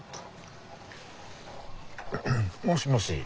もしもし。